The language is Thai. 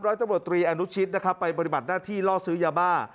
ร้อยต้นบทตรีอนุชิตไปบริบัติหน้าที่ล่อซื้อยาบ้า